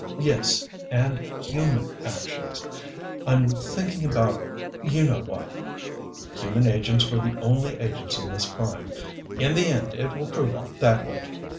"Yes, and human actions. I'm thinking about you know what. Human agents were the only agents in this crime. In the end it will prove out that way."